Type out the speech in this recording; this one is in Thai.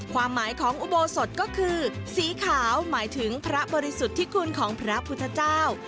ความหมายของอุโบสถก็คือสีขาวหมายถึงพระบริสุทธิคุณของพระพุทธเจ้า